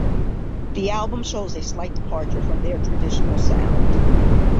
The album shows a slight departure from their traditional sound.